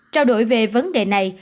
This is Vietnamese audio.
trao đổi về vấn đề này